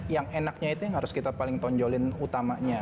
yang enaknya itu yang harus kita paling tonjolin utamanya